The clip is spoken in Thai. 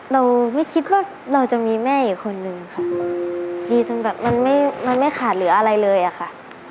เราไม่คิดว่าเราจะมีแม่อีกคนนึงค่ะดีจนแบบมันไม่มันไม่ขาดเหลืออะไรเลยอะค่ะ